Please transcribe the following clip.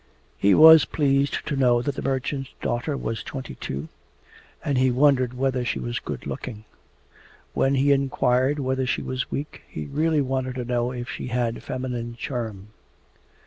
He was pleased to know that the merchant's daughter was twenty two, and he wondered whether she was good looking. When he inquired whether she was weak, he really wanted to know if she had feminine charm.